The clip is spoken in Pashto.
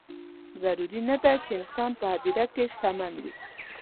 ضروري نه ده چې انسان په هدیره کې شتمن وي.